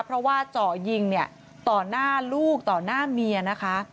เพราะว่าเจาะยิงเนี่ยต่อหน้าลูกต่อหน้าเมียนะคะ